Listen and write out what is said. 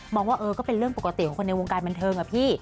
ว่าเออก็เป็นเรื่องปกติของคนในวงการบันเทิงอะพี่